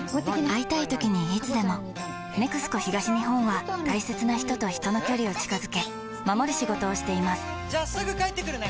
会いたいときにいつでも「ＮＥＸＣＯ東日本」は大切な人と人の距離を近づけ守る仕事をしていますじゃあすぐ帰ってくるね！